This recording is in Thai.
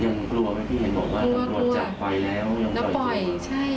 ยังกลัวไหมพี่เห็นบอกว่ารถจับไฟแล้วยังจ่อยกลัวกลัวแล้วปล่อยใช่